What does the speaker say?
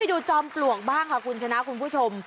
ดูจอมปลวกบ้างค่ะคุณชนะคุณผู้ชม